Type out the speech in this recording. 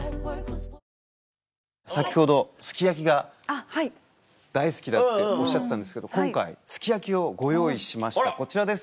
先ほどすき焼きが大好きだっておっしゃってたんですけど今回すき焼きをご用意しましたこちらです。